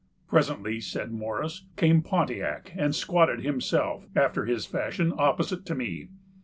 "Presently," says Morris, "came Pontiac, and squatted himself, after his fashion, opposite to me."